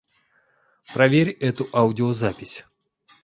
Проверь эту аудиозапись.